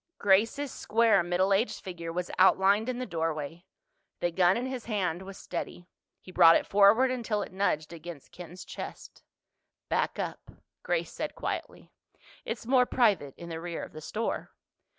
Grace's square middle aged figure was outlined in the doorway. The gun in his hand was steady. He brought it forward until it nudged against Ken's chest. "Back up," Grace said quietly. "It's more private in the rear of the store."